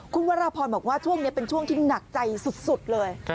คุณวรพรบอกว่าช่วงนี้เป็นช่วงที่หนักใจสุดเลย